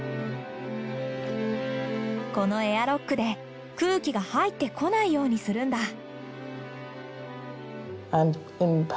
このエアロックで空気が入ってこないようにするんだ。